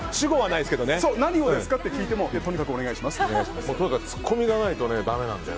何をですか？と聞いてもとにかくお願いしますって。